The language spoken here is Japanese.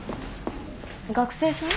学生さん？